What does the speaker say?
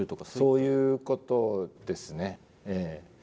そういうことですねええ。